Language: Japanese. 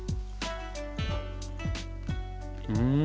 うん。